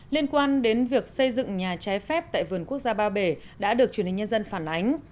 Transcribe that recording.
liên quan đến việc xây dựng nhà trái phép tại vườn quốc gia ba bể đã được truyền hình nhân dân phản ánh